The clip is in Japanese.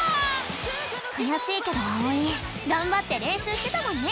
くやしいけどあおいがんばってれんしゅうしてたもんね！